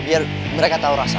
biar mereka tau rasa